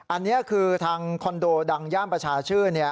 อันนี้คือทางคอนโดดังย่านประชาชื่น